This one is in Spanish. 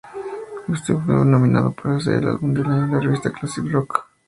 Este fue nominado para ser el álbum del año por la revista Classic Rock.